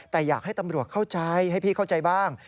แต่อยากให้ตำรวจเข้าใจให้พี่เข้าใจบ้าง